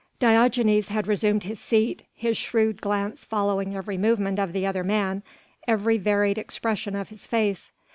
Diogenes had resumed his seat, his shrewd glance following every movement of the other man, every varied expression of his face.